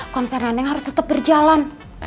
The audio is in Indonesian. konser neneng harus tetap berjalan